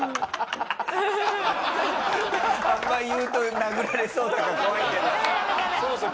あんまり言うと殴られそうだから怖いけど。